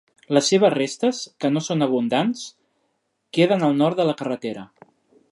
Les seves restes, que no són abundants, queden al nord de la carretera.